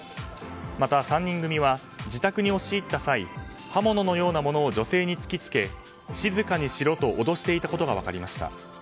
また、３人組は自宅に押し入った際刃物のようなものを女性に押し付け、静かにしろと脅していたことが分かりました。